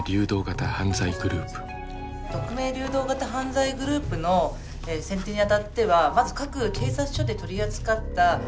匿名・流動型犯罪グループの選定にあたってはまず各警察署で取り扱った。